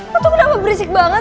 lo tuh kenapa berisik banget